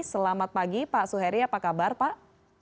selamat pagi pak suheri apa kabar pak